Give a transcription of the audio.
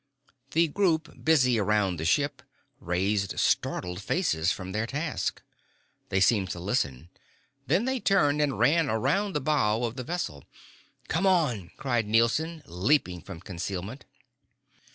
The group busy around the ship raised startled faces from their task. They seemed to listen. Then they turned and ran around the bow of the vessel. "Come on!" cried Nielson, leaping from concealment.